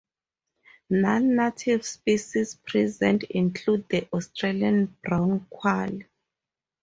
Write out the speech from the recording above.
Non-native species present include the Australian brown quail.